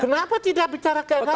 kenapa tidak bicara keagamaan